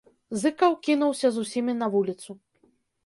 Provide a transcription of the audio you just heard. Зыкаў кінуўся з усімі на вуліцу.